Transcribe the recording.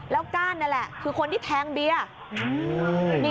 แล้วก้านนั่นแหละคือคนที่แทงเบียร์